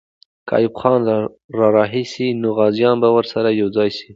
که ایوب خان را رهي سي، نو غازیان به ورسره یو ځای سي.